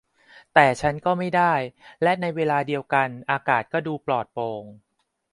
แต่ฉันก็ไม่ได้และในเวลาเดียวกันอากาศก็ดูปลอดโปร่ง